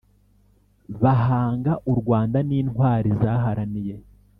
Bahanga u rwanda n’intwari zaharaniye